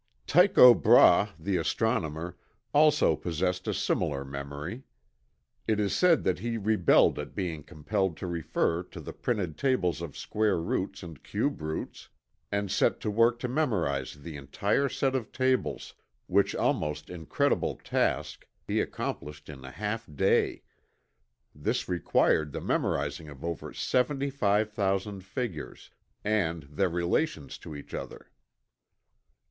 Tycho Brahe, the astronomer, also possessed a similar memory. It is said that he rebelled at being compelled to refer to the printed tables of square roots and cube roots, and set to work to memorize the entire set of tables, which almost incredible task he accomplished in a half day this required the memorizing of over 75,000 figures, and their relations to each other.